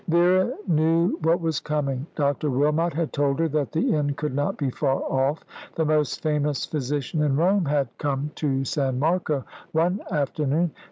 Vera knew what was coming. Dr. Wilmot had told her that the end could not be far off. The most famous physician in Rome had come to San Marco one afternoon.